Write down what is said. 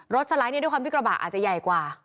สไลด์ด้วยความที่กระบะอาจจะใหญ่กว่า